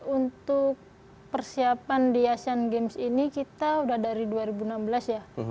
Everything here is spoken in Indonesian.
untuk persiapan di asean games ini kita udah dari dua ribu enam belas ya